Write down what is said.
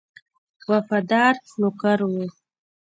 وفادار نوکر وو.